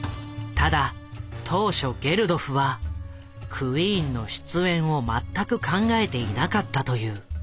ただ当初ゲルドフはクイーンの出演を全く考えていなかったという。